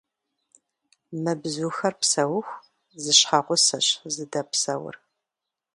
Мы бзухэр псэуху зы щхьэгъусэщ зыдэпсэур.